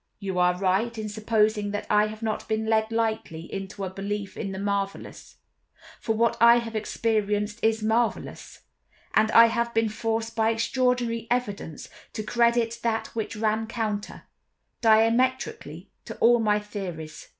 "You are right in supposing that I have not been led lightly into a belief in the marvelous—for what I have experienced is marvelous—and I have been forced by extraordinary evidence to credit that which ran counter, diametrically, to all my theories.